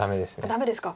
ダメですか。